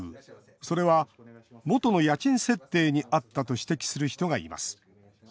それは、元の家賃設定にあったと指摘する人がいます。